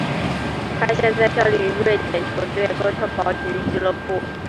他现在效力于瑞典球队哥特堡体育俱乐部。